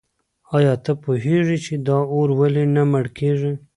آیا ته پوهېږې چې دا اور ولې نه مړ کېږي؟